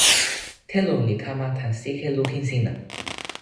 telo li kama tan sike lukin sina.